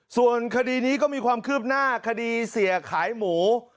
ส่วนคดีนี้ก็มีความคืบหน้าคดีเสียขายหมู